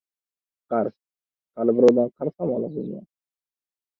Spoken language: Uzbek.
— Qarz? Hali birovdan qarz ham olasizmi?